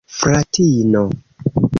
fratino